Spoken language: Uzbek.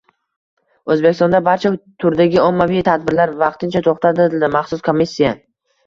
O‘zbekistonda barcha turdagi ommaviy tadbirlar vaqtincha to‘xtatildi - Maxsus komissiya